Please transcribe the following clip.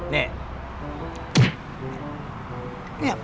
เนี่ย